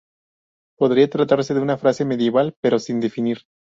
Podría tratarse de una fase medieval pero sin definir.